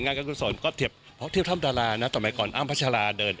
งานการคุณส่วนก็เทียบท่ำดารานะต่อไปก่อนอ้ามพระชาลาเดิน